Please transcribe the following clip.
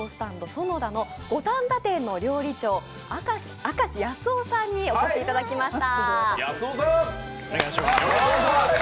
そのだ五反田店の料理長、明石康男さんにお越しいただきました。